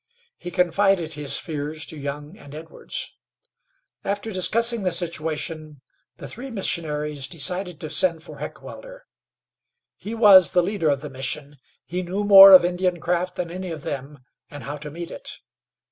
He confided his fears to Young and Edwards. After discussing the situation, the three missionaries decided to send for Heckewelder. He was the leader of the Mission; he knew more of Indian craft than any of them, and how to meet it.